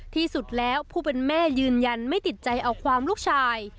ที่สุดแล้วผู้เป็นแม่ยืนยันไม่ติดใจเอาความลูกชาย